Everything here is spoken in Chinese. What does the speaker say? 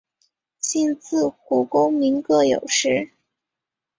信自古功名各有时。